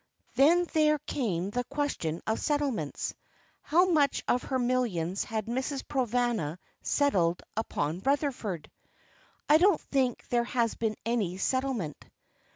Then there came the question of settlements. How much of her millions had Mrs. Provana settled upon Rutherford? "I don't think there has been any settlement."